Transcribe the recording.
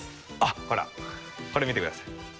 ほらこれ見てください。